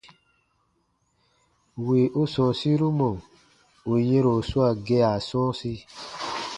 Wì u sɔ̃ɔsiru mɔ̀ ù yɛ̃ro swaa gea sɔ̃ɔsi.